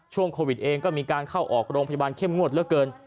ช่วงโควิดเองก็มีการเข้าออกโรงพยาบาลเข้มงวดเหลือเกิน